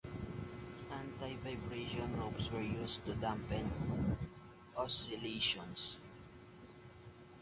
Antivibration ropes were used to dampen oscillations.